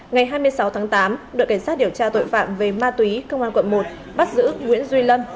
ngày hai mươi sáu tháng tám đội cảnh sát điều tra tội phạm về ma túy công an quận một bắt giữ nguyễn duy lâm